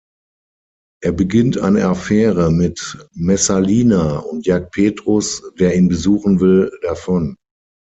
Er beginnt eine Affäre mit Messalina und jagt Petrus, der ihn besuchen will, davon.